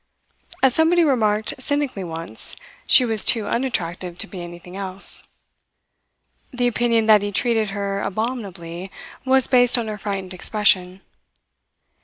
As somebody remarked cynically once, she was too unattractive to be anything else. The opinion that he treated her abominably was based on her frightened expression.